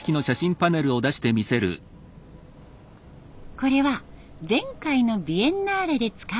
これは前回のビエンナーレで使った写真。